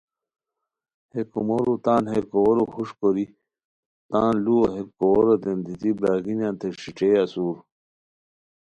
ہے کومورو تان ہے کوؤرو ہوݰ کوری تان لوؤ ہے کوؤروتین دیتی برارگینیانتے ݯیݯھئے اسور